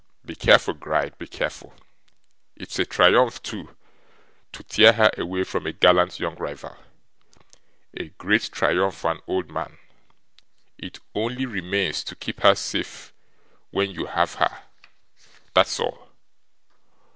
Be careful, Gride, be careful. It's a triumph, too, to tear her away from a gallant young rival: a great triumph for an old man! It only remains to keep her safe when you have her that's all.